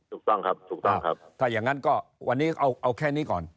ถูกต้องครับถูกต้องครับถ้าอย่างนั้นก็วันนี้เอาแค่นี้ก่อน